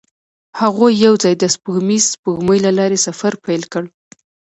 هغوی یوځای د سپوږمیز سپوږمۍ له لارې سفر پیل کړ.